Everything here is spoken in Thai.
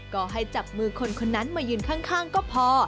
ก็ให้จับมือคนคนนั้นมายืนข้างก็พอ